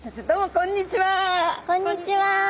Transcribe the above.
こんにちは！